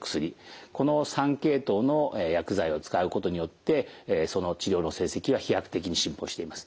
この３系統の薬剤を使うことによってその治療の成績は飛躍的に進歩しています。